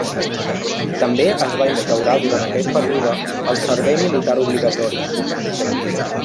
També es va instaurar durant aquest període el Servei militar obligatori.